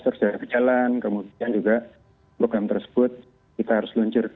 kita kan semester sudah berjalan kemudian juga program tersebut kita harus luncur